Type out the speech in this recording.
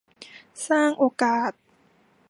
สร้างโอกาส